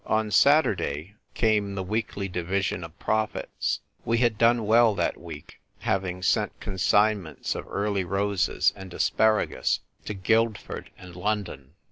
On Saturday came the weekly division of profits. We had done well that week, having sent consignments of early roses and asparagus to Guildford and London.